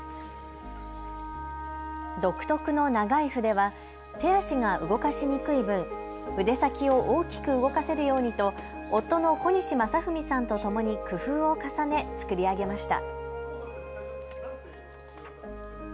独特の長い筆は、手足が動かしにくい分、筆先を大きく動かせるようにと夫の小西正文さんとともに工夫を重ね作り上げました。